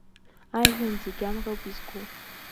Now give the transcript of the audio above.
Ажәҩан зегь амроуп изку.